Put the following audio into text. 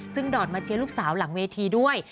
ซึ่งดอดมาเชียร์ลูกสาวหลังเวทีด้วย